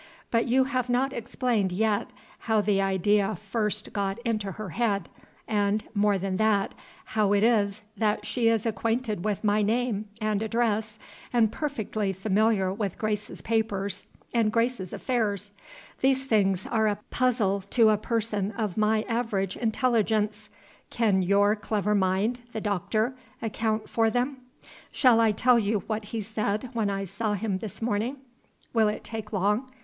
But you have not explained yet how the idea first got into her head; and, more than that, how it is that she is acquainted with my name and address, and perfectly familiar with Grace's papers and Grace's affairs. These things are a puzzle to a person of my average intelligence. Can your clever friend, the doctor, account for them?" "Shall I tell you what he said when I saw him this morning?" "Will it take long?"